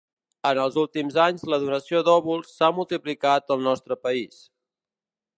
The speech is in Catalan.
En els últims anys la donació d’òvuls s’ha multiplicat al nostre país.